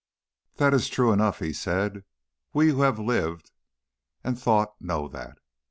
"That is true enough," he said. "We who have lived and thought know that.